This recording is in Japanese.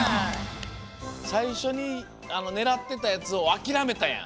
さいしょにねらってたやつをあきらめたやん。